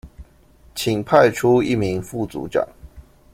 請派出一名副組長